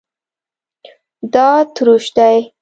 دا تروش دی